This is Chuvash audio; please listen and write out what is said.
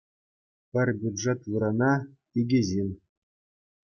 Пӗр бюджет вырӑна — икӗ ҫын